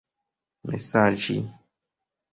mesaĝi